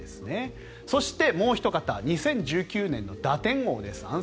そして、もうおひと方２０１９年の打点王です。